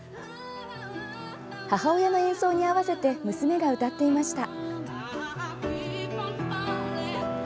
母親の演奏に合わせて娘が歌っていました。